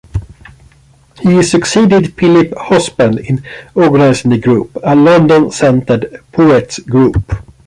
He succeeded Philip Hobsbaum in organising The Group, a London-centred poets' group.